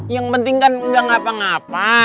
yang penting kan enggak apa apa